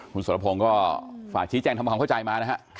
คุณสรพงศ์ก็ฝากชี้แจงทำความเข้าใจมานะฮะ